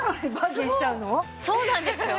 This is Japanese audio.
そうなんですよ。